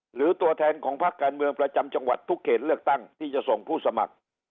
ตัวแทนของพักการเมืองประจำจังหวัดทุกเขตเลือกตั้งที่จะส่งผู้สมัคร